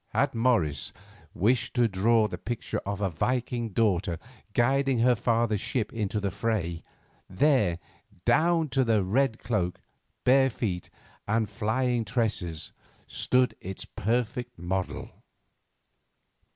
Had Morris wished to draw the picture of a Viking's daughter guiding her father's ship into the fray, there, down to the red cloak, bare feet, and flying tresses, stood its perfect model.